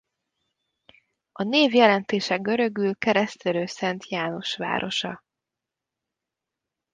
A név jelentése görögül Keresztelő Szent János városa.